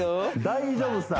「大丈夫さ」